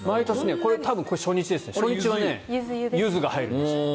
これは初日ですね初日はユズが入るんです。